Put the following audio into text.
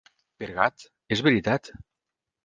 Per Gad, és veritat!